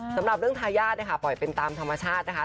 สำหรับเรื่องทายาทนะคะปล่อยเป็นตามธรรมชาตินะคะ